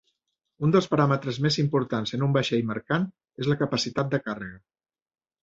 Un dels paràmetres més importants en un vaixell mercant és la capacitat de càrrega.